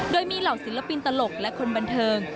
โดยมีเหล่าศิลปินตลกและคนบันเทิง